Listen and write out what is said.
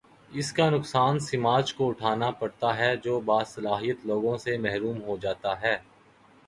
اس کا نقصان سماج کو اٹھا نا پڑتا ہے جو باصلاحیت لوگوں سے محروم ہو جا تا ہے۔